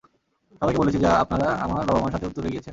সবাইকে বলেছি যে আপনারা আমার বাবা-মার সাথে উত্তরে গিয়েছেন।